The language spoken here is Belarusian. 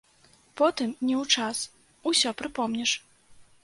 Потым, не ў час, ўсё прыпомніш.